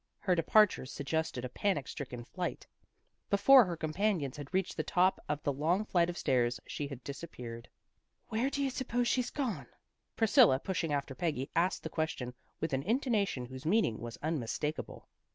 Her departure suggested a panic stricken flight. Before her companions had reached the top of the long flight of stairs she had disap peared. 242 THE GIRLS OF FRIENDLY TERRACE " Where do you suppose she's gone? " Pris cilla, pushing after Peggy, asked the question with an intonation whose meaning was unmis takable.